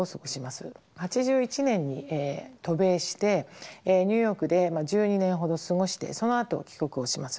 ８１年に渡米してニューヨークで１２年ほど過ごしてそのあと帰国をします。